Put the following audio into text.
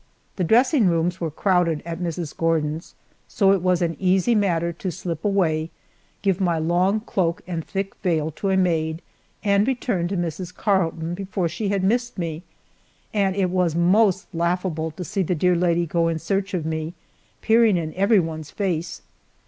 The dressing rooms were crowded at Mrs. Gordon's, so it was an easy matter to slip away, give my long cloak and thick veil to a maid, and return to Mrs. Carleton before she had missed me, and it was most laughable to see the dear lady go in search for me, peering in everyone's face.